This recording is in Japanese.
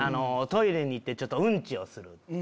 トイレに行ってうんちをする。